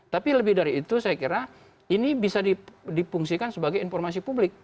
tapi lebih dari itu saya kira ini bisa dipungsikan sebagai informasi publik